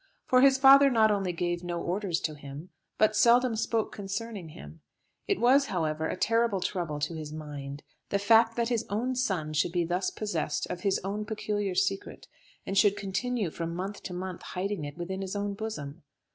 For his father not only gave no orders to him, but seldom spoke concerning him. It was, however, a terrible trouble to his mind, the fact that his own son should be thus possessed of his own peculiar secret, and should continue from month to month hiding it within his own bosom.